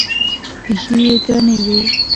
پښې يې درنې وې.